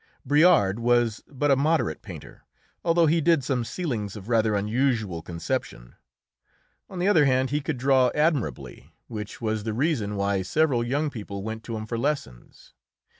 Briard was but a moderate painter, although he did some ceilings of rather unusual conception. On the other hand, he could draw admirably, which was the reason why several young people went to him for lessons.